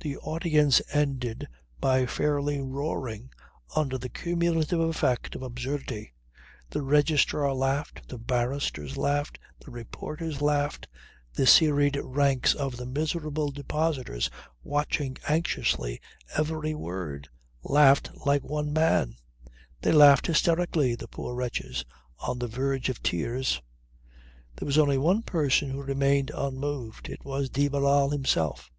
The audience ended by fairly roaring under the cumulative effect of absurdity. The Registrar laughed, the barristers laughed, the reporters laughed, the serried ranks of the miserable depositors watching anxiously every word, laughed like one man. They laughed hysterically the poor wretches on the verge of tears. There was only one person who remained unmoved. It was de Barral himself.